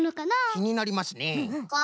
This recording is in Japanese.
きになりますねえ！